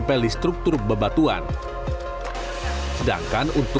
apalagi di kepala balai konservasi borobudur